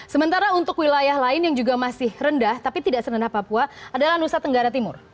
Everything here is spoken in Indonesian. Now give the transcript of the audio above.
sementara untuk wilayah lain yang juga masih rendah tapi tidak serendah papua adalah nusa tenggara timur